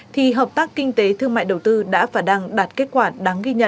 thì hợp tác kinh tế thương mại đầu tư đã và đang đạt kết quả đáng ghi nhận